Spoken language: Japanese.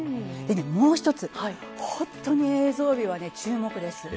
もう一つ本当に映像美が注目です。